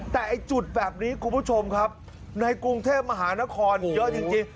แต่ไอ้จุดแบบนี้คุณผู้ชมครับในกรุงเทพมหานครเยอะจริง